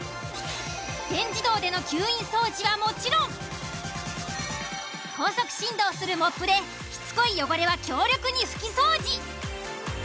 全自動での吸引掃除はもちろん高速振動するモップでしつこい汚れは強力に拭き掃除。